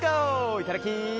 いただき！